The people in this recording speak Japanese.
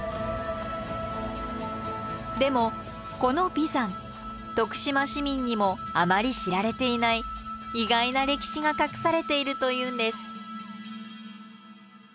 でもこの眉山徳島市民にもあまり知られていない意外な歴史が隠されているというんです。